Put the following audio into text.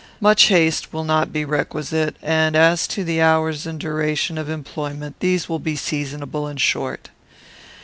Much haste will not be requisite, and, as to the hours and duration of employment, these will be seasonable and short.